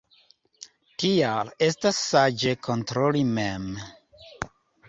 Tial estas saĝe kontroli mem.